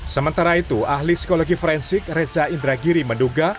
sementara itu ahli psikologi forensik reza indragiri menduga